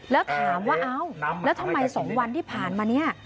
แล้วถามว่าเอ้าแล้วทำไม๒วันที่ผ่านมาเนี่ย